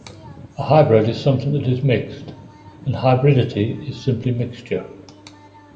A hybrid is something that is mixed, and hybridity is simply mixture.